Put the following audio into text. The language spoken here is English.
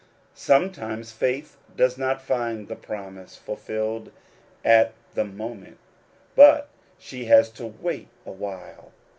Sometimes faith does not find the promise ful filled at the moment ; but she has to wait a while.